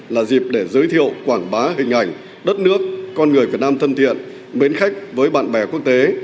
là dịp để giới thiệu quảng bá hình ảnh đất nước con người việt nam thân thiện mến khách với bạn bè quốc tế